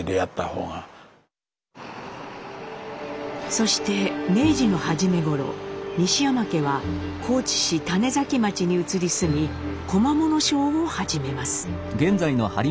そして明治の初め頃西山家は高知市種崎町に移り住み小間物商を始めます。